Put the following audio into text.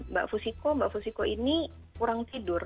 mbak fusiko mbak fusiko ini kurang tidur